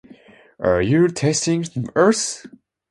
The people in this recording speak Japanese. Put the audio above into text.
Are you teasing us?